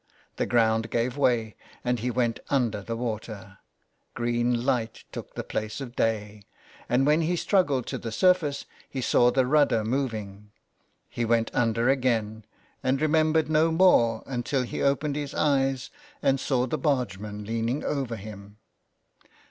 The ground gave way and he went under the water; green light took the place of day, and when he struggled to the surface he saw the rudder moving. He went under again, and remembered no more until he opened his eyes and saw the bargeman leaning over him.